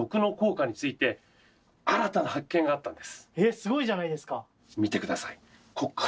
すごいじゃないですか！